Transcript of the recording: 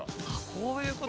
こういうこと？